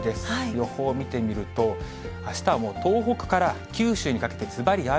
予報を見てみると、あしたは東北から九州にかけてずばり雨。